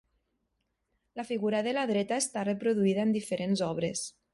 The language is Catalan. La figura de la dreta està reproduïda en diferents obres.